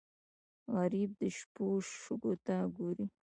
غریب د شپو شګو ته ګوري